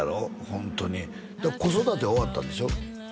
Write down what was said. ホントに子育ては終わったんでしょ？